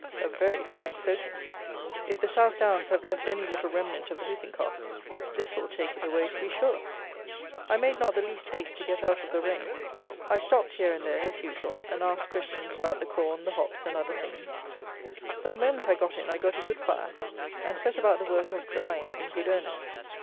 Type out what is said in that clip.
A very fine soaking! If the South Downs have left any little remnant of the hooping cough, this will take it away to be sure. I made not the least haste to get out of the rain, I stopped, here and there, as usual, and asked questions about the corn, the hops, and other things. But the moment I got in I got a good fire, and set about the work of drying in good earnest.